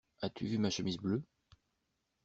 As-tu vu ma chemise bleue?